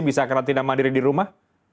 bisa karantina mandiri di rumah